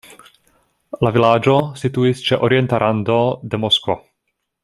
La vilaĝo situis ĉe orienta rando de Moskvo.